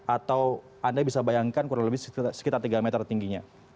atau anda bisa bayangkan kurang lebih sekitar tiga meter tingginya